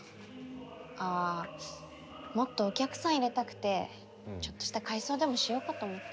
ああもっとお客さん入れたくてちょっとした改装でもしようかと思って。